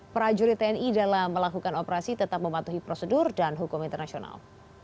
prajurit tni dalam melakukan operasi tetap mematuhi prosedur dan hukum internasional